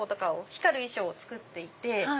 光る衣装を作っていて。